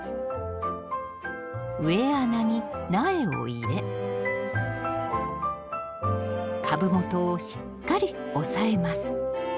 植え穴に苗を入れ株元をしっかり押さえます